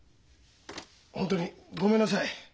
本当にごめんなさい。